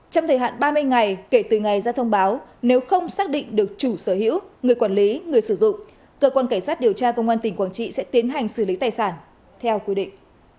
trong thời hạn ba mươi ngày kể từ ngày ra thông báo nếu không xác định được chủ sở hữu người quản lý người sử dụng cơ quan cảnh sát điều tra công an tỉnh quảng trị sẽ tiến hành xử lý tài sản theo quy định